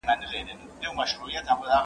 زه اوږده وخت کتابتون ته ځم وم؟!